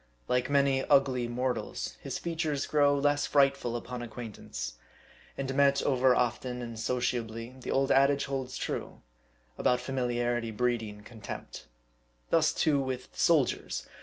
Like many ugly mortals, his features grow less frightful upon acquaintance ; and met over often and socia bly, the old adage holds true, about familiarity breeding contempt. Thus too with soldiers.